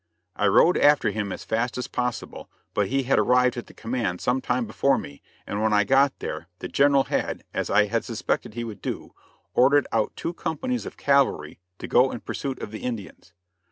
I rode after him as fast as possible, but he had arrived at the command some time before me and when I got there the General had, as I had suspected he would do, ordered out two companies of cavalry to go in pursuit of the Indians.